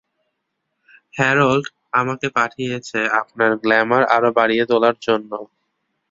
Harold আমাকে পাঠিয়েছে আপনার গ্ল্যামার আরো বাড়িয়ে তোলার জন্য!